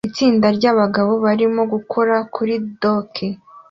Itsinda ryabagabo barimo gukora kuri dock